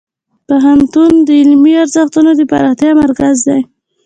پوهنتون د علمي ارزښتونو د پراختیا مرکز دی.